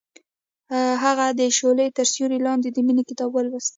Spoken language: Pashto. هغې د شعله تر سیوري لاندې د مینې کتاب ولوست.